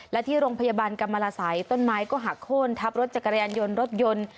และที่โรงพยาบาลกรรมลาสัยต้นไม้ก็หักโค้นทับรถจักรยานยนต์รถยนต์